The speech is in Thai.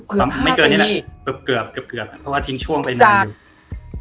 เกือบเพราะว่าทิ้งช่วงไปนานหนึ่ง